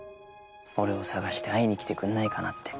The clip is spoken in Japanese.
俺を探して会いに来てくんないかなって。